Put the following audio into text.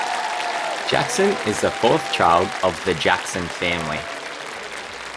Jackson is the fourth child of the Jackson family.